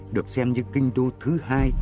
được xem như kinh đô thứ hai